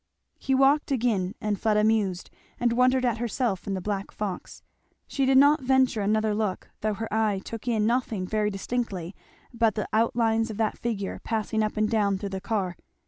He walked again, and Fleda mused, and wondered at herself in the black fox. She did not venture another look, though her eye took in nothing very distinctly but the outlines of that figure passing up and down through the car.